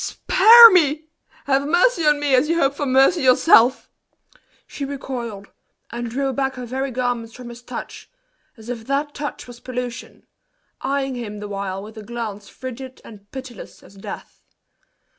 spare me! Have mercy on me as you hope for mercy yourself!" She recoiled, and drew back her very garments from his touch, as if that touch was pollution, eyeing him the while with a glance frigid and pitiless as death.